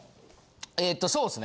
えとそうっすね。